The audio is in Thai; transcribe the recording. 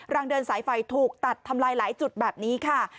เดินสายไฟถูกตัดทำลายหลายจุดแบบนี้ค่ะ